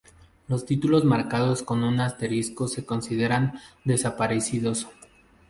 Los títulos marcados con un asterisco se consideran desaparecidos.